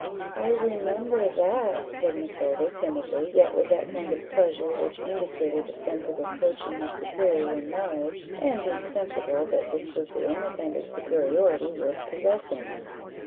"I remember that," said Matilda, timidly, yet with that kind of pleasure which indicated a sense of approaching her superior in knowledge, and being sensible that this was the only kind of superiority worth possessing.